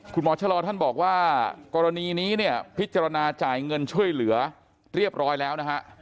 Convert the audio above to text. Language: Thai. คุณหมอชะลอท่านบอกว่ากรณีนี้พิจารณาจ่ายเงินช่วยเหลือเรียบร้อยแล้ว